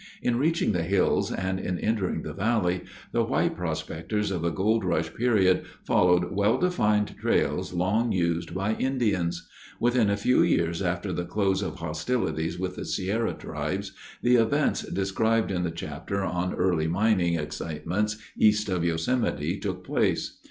In reaching the hills and in entering the valley, the white prospectors of the gold rush period followed well defined trails long used by Indians. Within a few years after the close of hostilities with the Sierra tribes, the events described in the chapter on early mining excitements east of Yosemite took place.